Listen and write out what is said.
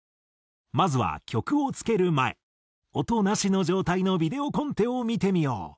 まずは曲を付ける前音なしの状態のビデオコンテを見てみよう。